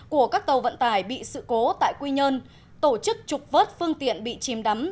của các tàu vận tải bị sự cố tại quy nhơn tổ chức trục vớt phương tiện bị chìm đắm